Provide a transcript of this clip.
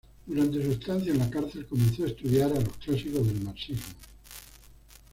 Durante su estancia en la cárcel comenzó a estudiar a los clásicos del marxismo.